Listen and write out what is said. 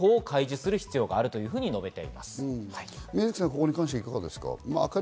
これに関していかがですか？